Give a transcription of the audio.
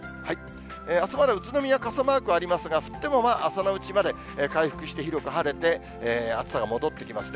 あすまだ宇都宮に傘マークありますが、降っても朝のうちまで、回復して広く晴れて、暑さが戻ってきますね。